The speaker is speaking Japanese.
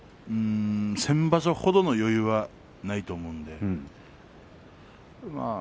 先場所ほどの余裕はないと思います。